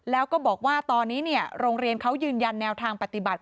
แล้วก็บอกว่าตอนนี้โรงเรียนเขายืนยันแนวทางปฏิบัติ